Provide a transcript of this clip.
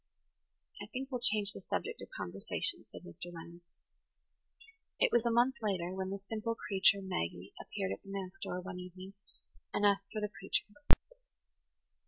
"I think we'll change the subject of conversation," said Mr. Leonard. It was a month later when "the simple creature, Maggie" appeared at the manse door one evening and asked for the preacher.